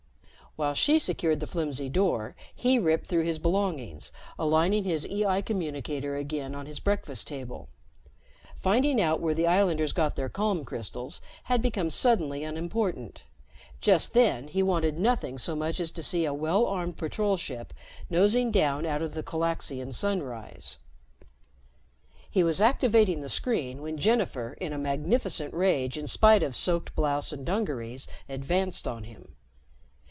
While she secured the flimsy door, he ripped through his belongings, aligning his EI communicator again on his breakfast table. Finding out where the islanders got their calm crystals had become suddenly unimportant; just then, he wanted nothing so much as to see a well armed patrol ship nosing down out of the Calaxian sunrise. He was activating the screen when Jennifer, in a magnificent rage in spite of soaked blouse and dungarees, advanced on him.